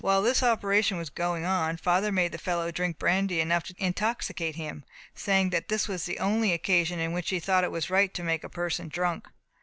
While this operation was going on, father made the fellow drink brandy enough to intoxicate him, saying that this was the only occasion in which he thought it was right to make a person drunk.